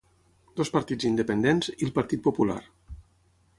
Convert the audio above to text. Dos partits independents, i el Partit Popular.